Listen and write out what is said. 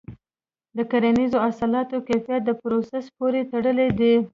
د کرنیزو حاصلاتو کیفیت د پروسس پورې تړلی دی.